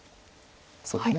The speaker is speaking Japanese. そうですね